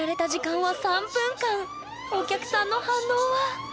お客さんの反応は？